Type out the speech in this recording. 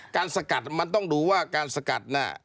สกัดมันต้องดูว่าการสกัดน่ะ